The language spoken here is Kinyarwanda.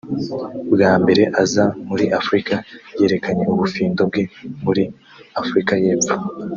Bwa mbere aza muri Afurika yerekanye ubufindo bwe muri Afurika y’Epfo